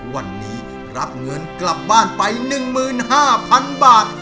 วันนี้รับเงินกลับบ้านไป๑๕๐๐๐บาท